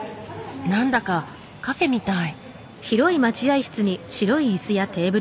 何だかカフェみたい。